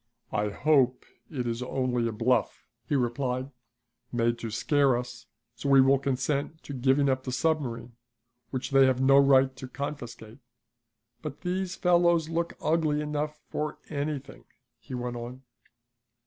"I hope it is only a bluff," he replied, "made to scare us so we will consent to giving up the submarine, which they have no right to confiscate. But these fellows look ugly enough for anything," he went on.